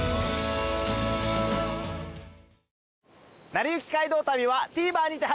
『なりゆき街道旅』はＴＶｅｒにて配信中です。